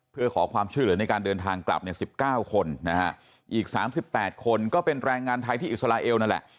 เพื่อขอความช่วยเหลือในการเดินทางกลับเนี่ย๑๙คนนะฮะอีก๓๘คนก็เป็นแรงงานไทยที่อิสราเอลนั่นแหละ